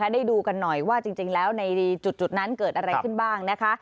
ได้ดูกันหน่อยว่าจริงแล้วในจุดนั้นเกิดอะไรขึ้นบ้างนะคะ